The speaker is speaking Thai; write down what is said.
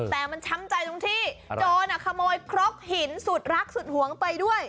แต่มันช้ำใจตรงที่โจรขโมยครกหินสุดรักสุดหวงไปด้วย